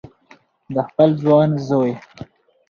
د خپل ځوان زوی